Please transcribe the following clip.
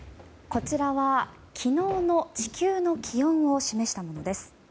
こちらは昨日の地球の気温を示したものです。